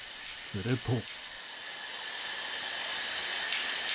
すると。